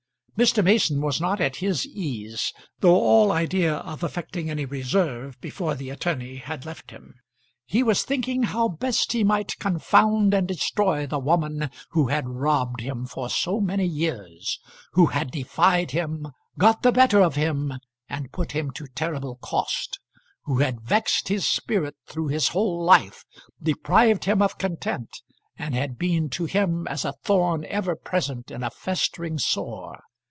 Mr. Mason was not at his ease, though all idea of affecting any reserve before the attorney had left him. He was thinking how best he might confound and destroy the woman who had robbed him for so many years; who had defied him, got the better of him, and put him to terrible cost; who had vexed his spirit through his whole life, deprived him of content, and had been to him as a thorn ever present in a festering sore.